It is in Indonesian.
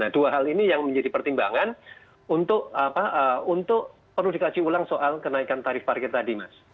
nah dua hal ini yang menjadi pertimbangan untuk perlu dikaji ulang soal kenaikan tarif parkir tadi mas